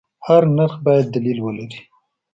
هر نرخ باید دلیل ولري.